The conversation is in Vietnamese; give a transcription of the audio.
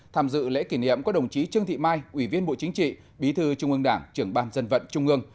tham dự lễ kỷ niệm có đồng chí trương thị mai ủy viên bộ chính trị bí thư trung ương đảng trưởng ban dân vận trung ương